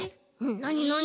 なになに？